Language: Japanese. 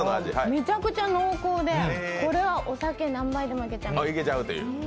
めちゃくちゃ濃厚でこれは、お酒何杯でもいけちゃう。